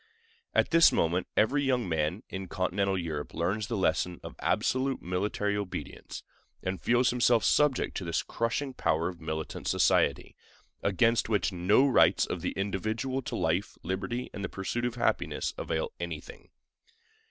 At this moment every young man in Continental Europe learns the lesson of absolute military obedience, and feels himself subject to this crushing power of militant society, against which no rights of the individual to life, liberty, and the pursuit of happiness avail anything.